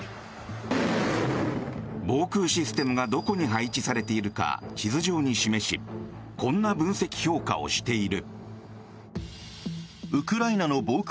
防空システムがどこに配置されているか地図上に示しこんな分析評価をしている。